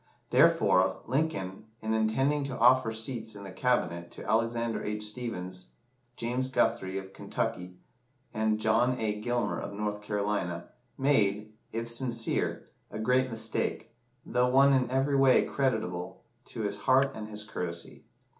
Therefore, Lincoln, in intending to offer seats in the Cabinet to Alexander H. Stephens, James Guthrie, of Kentucky, and John A. Gilmer, of North Carolina, made if sincere a great mistake, though one in every way creditable to his heart and his courtesy.